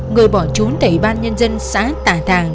người bỏ trốn tại ủy ban nhân dân xã tà thàng